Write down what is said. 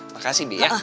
makasih bi ya